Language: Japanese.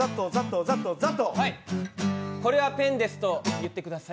これはペンですと、言ってください。